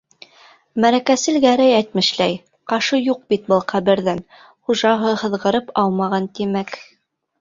Мәрәкәсел Гәрәй әйтмешләй, «ҡашы юҡ бит был ҡәберҙең, хужаһы һыҙғырып аумаған, тимәк...»